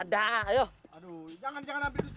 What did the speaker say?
aduh jangan jangan ambil duit saya